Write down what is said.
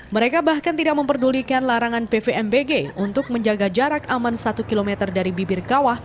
mereka bahkan tidak memperdulikan larangan pvmbg untuk menjaga jarak aman satu km dari bibir kawah